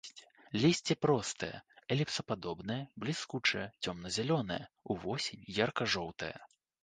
Лісце простае, эліпсападобнае, бліскучае, цёмна-зялёнае, увосень ярка-жоўтае.